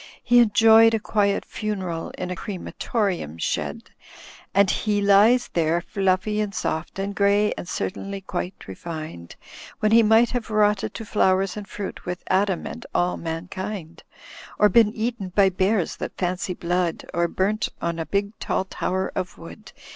He enjoyed a quiet funeral in a crematorium shed, And he lies there fluffy and soft and grey and certainly quite refined. When he might have rotted to flowers and fruit with Adam and all mankind. Or been eaten by bears that fancy blood. Or burnt on a big tall tower of wood.